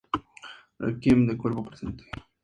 Requiem de cuerpo" presente.